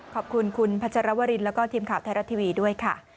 ขอบคุณคุณพัชรวรินแล้วก็ทีมข่าวไทยรัฐทีวีด้วยค่ะ